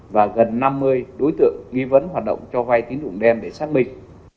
và gần năm mươi đối tượng nghi vấn hoạt động cho vai tín dụng đen để xác minh